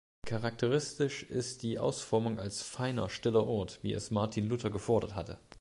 Charakteristisch ist die Ausformung als "feiner, stiller ort", wie es Martin Luther gefordert hatte.